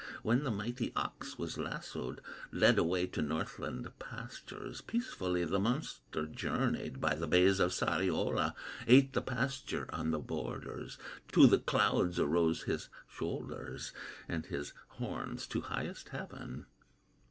When the mighty ox was lassoed, Led away to Northland pastures, Peacefully the monster journeyed By the bays of Sariola, Ate the pasture on the borders; To the clouds arose his shoulders, And his horns to highest heaven.